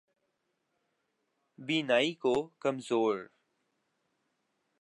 بینائی کو کمزور